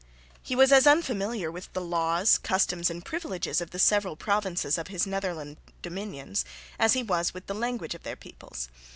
He was as unfamiliar with the laws, customs and privileges of the several provinces of his Netherland dominions as he was with the language of their peoples.